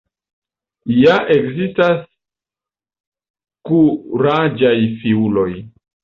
Ja ekzistas kuraĝaj fiuloj!